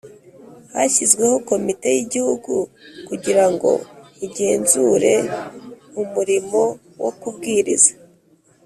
Hashyizweho Komite Y Igihugu Kugira Ngo Igenzure Umurimo Wo Kubwiriza